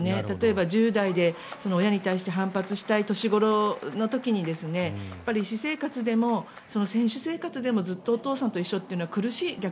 例えば、１０代で親に対して反発したい年頃の時に私生活でも選手生活でもずっとお父さんと一緒というのは苦しい。